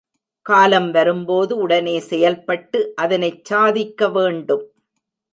காலம் வரும்போது உடனே செயல்பட்டு அதனைச் சாதிக்க வேண்டும்.